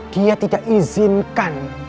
dia tidak izinkan